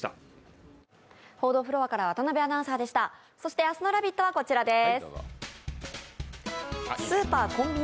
そして明日の「ラヴィット！」はこちらです